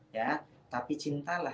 ya tapi cintalah